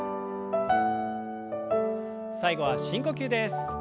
最後は深呼吸です。